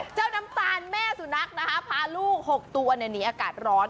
เจ้าน้ำตาลแม่สุนัขพาลูก๖ตัวในนี้อากาศร้อน